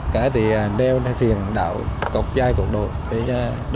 cái thì đeo thuyền đạo cục dai cũng